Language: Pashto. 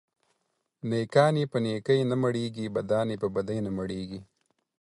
نيکان يې په نيکي نه مړېږي ، بدان يې په بدي نه مړېږي.